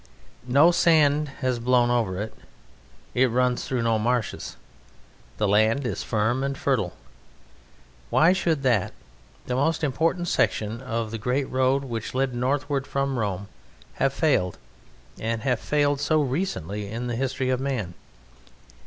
No sand has blown over it. It runs through no marshes; the land is firm and fertile. Why should that, the most important section of the great road which led northward from Rome, have failed, and have failed so recently, in the history of man?